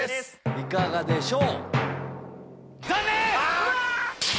いかがでしょう？